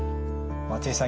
松井さん